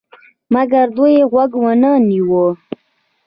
مګر دوی غوږ ونه نیوی.